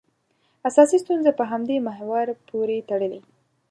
اساسي ستونزه په همدې محور پورې تړلې.